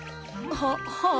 ははあ。